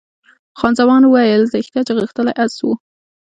خان زمان وویل، ریښتیا چې غښتلی اس وو.